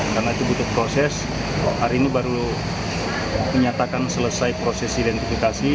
karena itu butuh proses hari ini baru menyatakan selesai proses identifikasi